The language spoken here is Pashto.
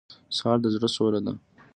سهار د زړه سوله ده.